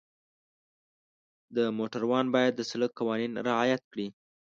د موټروان باید د سړک قوانین رعایت کړي.